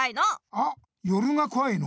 あっ夜がこわいの？